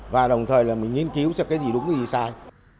và đồng thời là mình nghiên cứu cho cái gì đúng cái gì sai